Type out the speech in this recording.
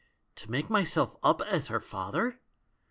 To make myself up as her father?